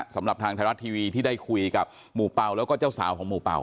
สำหรับทางไทยรัฐทีวีที่ได้คุยกับหมู่เป่าแล้วก็เจ้าสาวของหมู่เป่า